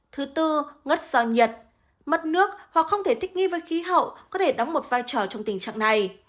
thứ tư ngất do nhiệt mất nước hoặc không thể thích nghi với khí hậu có thể đóng một vai trò trong tình trạng này